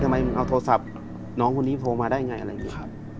ทำไมเอาโทรศัพท์น้องคนนี้โทรมาได้ไงอะไรอย่างนี้ครับ